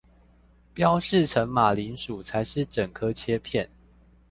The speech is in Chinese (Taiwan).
標示成馬鈴薯才是整顆切片